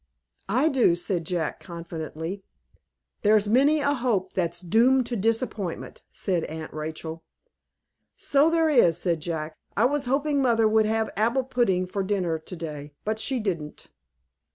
"I do," said Jack, confidently. "There's many a hope that's doomed to disappointment," said Aunt Rachel. "So there is," said Jack. "I was hoping mother would have apple pudding for dinner to day, but she didn't."